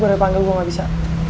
gue udah panggil gue gak bisa